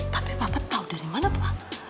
tapi papa tau dari mana papa